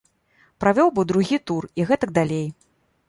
Правёў бы другі тур і гэтак далей.